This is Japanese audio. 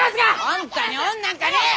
あんたに恩なんかねえよ！